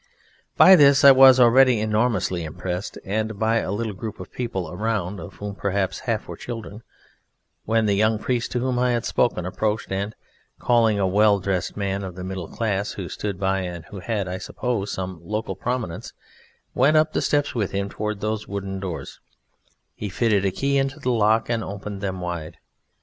By this I was already enormously impressed, and by a little group of people around of whom perhaps half were children, when the young priest to whom I had spoken approached and, calling a well dressed man of the middle class who stood by and who had, I suppose, some local prominence, went up the steps with him towards these wooden doors; he fitted a key into the lock and opened them wide.